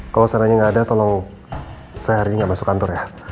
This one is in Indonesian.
kalau saya nanya gak ada tolong saya hari ini gak masuk kantor ya